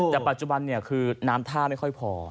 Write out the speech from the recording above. แต่ปัจจุบันคือน้ำท่าไม่ค่อยพอ